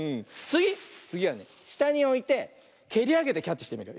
つぎはねしたにおいてけりあげてキャッチしてみる。